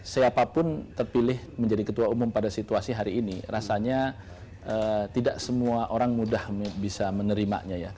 siapapun terpilih menjadi ketua umum pada situasi hari ini rasanya tidak semua orang mudah bisa menerimanya ya